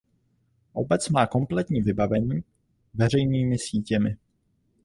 Obec má kompletní vybavení veřejnými sítěmi.